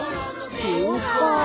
そうか。